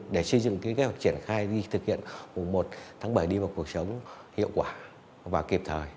để xây dựng kế hoạch triển khai đi thực hiện mùa một tháng bảy đi vào cuộc sống hiệu quả và kịp thời